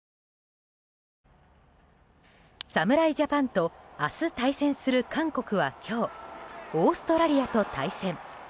侍ジャパンと明日対戦する韓国は今日、オーストラリアと対戦。